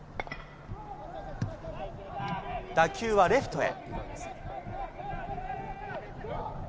打球はレフトへ。